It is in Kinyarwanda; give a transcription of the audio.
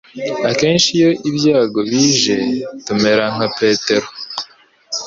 Akenshi iyo ibyago bije tumera nka Petero.